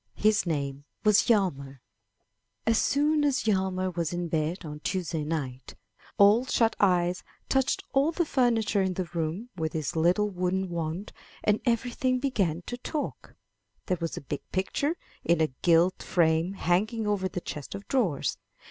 His name was Hjalmar. 133 MY BOOK HOUSE As soon as Hjalmar was in bed on Tuesday night, Ole Shut eyes touched all the furniture in the room with his little wooden wand, and everything began to talk. There was a big picture in a gilt frame hanging over the chest of drawers.